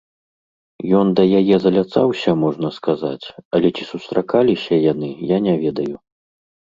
Ён да яе заляцаўся, можна сказаць, але ці сустракаліся яны, я не ведаю.